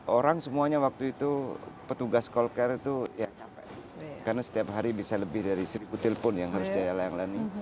orang semuanya waktu itu petugas cold care itu ya karena setiap hari bisa lebih dari seribu telepon yang harus jalan jalan